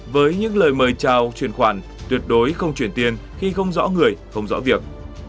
với những lời mời chào chuyển khoản tuyệt đối không chuyển tiền khi không rõ người không rõ việc